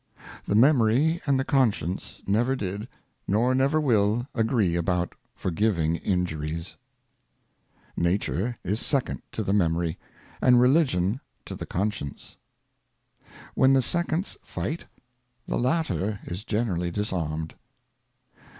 The Memory and the Conscience never did, nor never will agree about forgiving Injuries. Nature is Second to the Memory, and Religion to the Conscience. When the Seconds fight, the latter is generally disarmed.